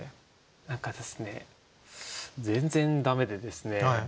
何かですね全然駄目でですね